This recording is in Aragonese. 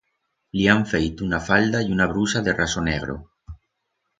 Li han feito una falda y una brusa de raso negro.